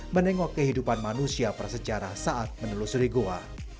menengok kehidupan manusia prasejarah saat menelusuri goa